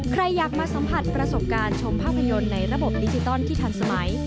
ใครอยากมาสัมผัสประสบการณ์ชมภาพยนตร์ในระบบดิจิตอลที่ทันสมัย